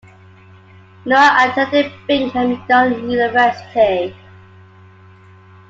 Nua attended Brigham Young University.